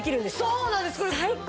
そうなんです最高！